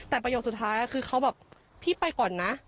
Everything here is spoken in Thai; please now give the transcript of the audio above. แต่ประโยคสุดท้ายคือเขาแบบพี่ไปก่อนนะ